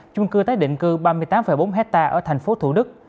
chung cư tái định cư ba mươi tám bốn hectare ở thành phố thủ đức